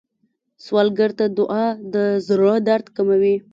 سوالګر ته دعا د زړه درد کموي